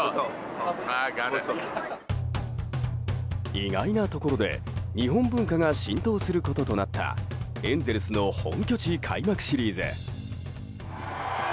意外なところで日本文化が浸透することとなったエンゼルスの本拠地開幕シリーズ。